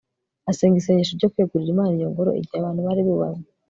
asenga isengesho ryo kwegurira imana iyo ngoro. igihe abantu bari bubamye